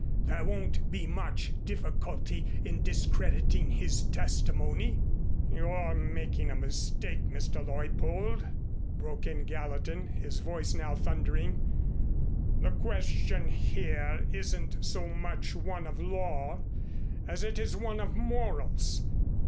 There won't be much difficulty in discrediting his testimony " "You're making a mistake, Mr. Leuppold," broke in Gallatin, his voice now thundering. "The question here isn't so much one of law as it is one of morals.